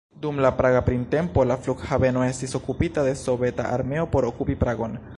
Dum la Praga printempo, la flughaveno estis okupita de Soveta armeo por okupi Pragon.